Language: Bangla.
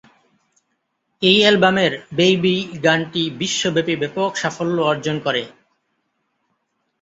এই অ্যালবামের বেবি গানটি বিশ্বব্যাপী ব্যাপক সাফল্য অর্জন করে।